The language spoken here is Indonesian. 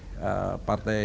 pemilihan kepala daerah